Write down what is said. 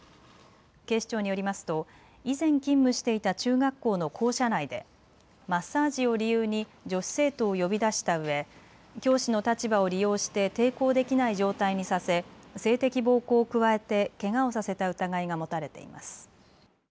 警視庁によりますと以前勤務していた中学校の校舎内でマッサージを理由に女子生徒を呼び出したうえ教師の立場を利用して抵抗できない状態にさせ性的暴行を加えて、けがをさせた疑いが持たれています。